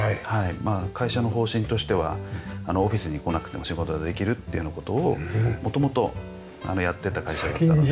会社の方針としてはオフィスに来なくても仕事ができるっていうような事を元々やってた会社だったので。